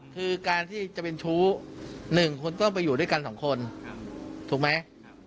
คือการที่จะเป็นชู้๑คุณต้องไปอยู่ด้วยกันสองคนถูกไหม